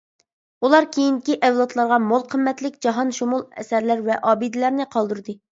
ئۇلار كېيىنكى ئەۋلادلارغا مول قىممەتلىك جاھانشۇمۇل ئەسەرلەر ۋە ئابىدىلەرنى قالدۇردى.